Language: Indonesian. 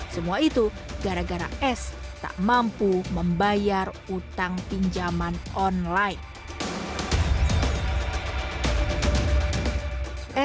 semua itu gara gara s tak mampu membayar utang pinjaman online